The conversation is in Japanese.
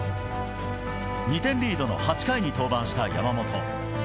２点リードの８回に登板した山本。